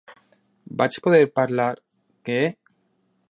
Vaig poder parlar: "Què?"